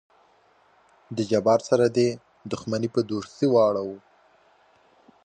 د جبار سره دې دښمني په دوستي واړو.